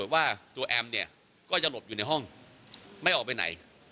ว่าตัวแอมเนี่ยก็จะหลบอยู่ในห้องไม่ออกไปไหน